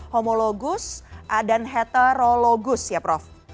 homologus dan heterologus ya prof